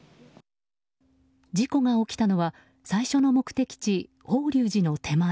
事故が起きたのは最初の目的地、法隆寺の手前